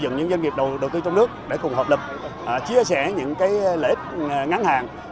những cái quy thiết thẩm thining hai lists ng ba mươi một